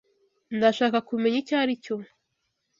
Ndashaka kumenya icyo aricyo.